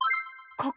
ここ！